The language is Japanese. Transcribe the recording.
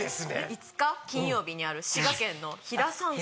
５日金曜日にある滋賀県の比良山荘。